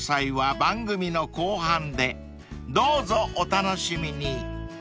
［どうぞお楽しみに］